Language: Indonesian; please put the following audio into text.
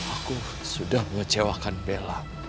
aku sudah mengecewakan bella